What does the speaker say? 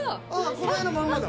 この絵のまんまだ